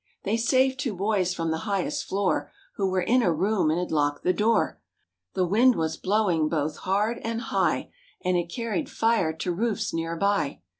They saved two boys from the highest floor Who were in a room and had locked the door. The wind was blowing both hard and high, And it carried fire to roofs near by.